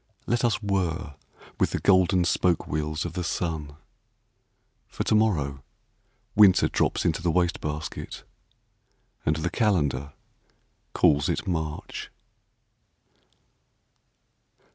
Let us whir with the golden spoke wheels Of the sun. For to morrow Winter drops into the waste basket, And the calendar calls it March.